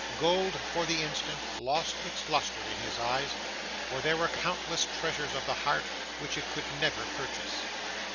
Gold, for the instant, lost its lustre in his eyes, for there were countless treasures of the heart which it could never purchase.